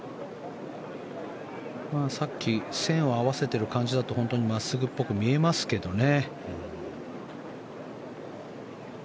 さっき線を合わせている感じだと本当に真っすぐっぽく見えますけどね。